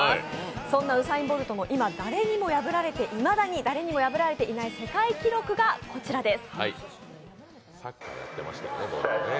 そんなウサイン・ボルトのいまだに誰にも破られていない世界記録がこちらです。